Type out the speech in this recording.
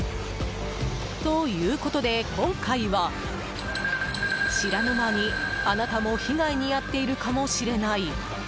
ということで今回は知らぬ間に、あなたも被害に遭っているかもしれない。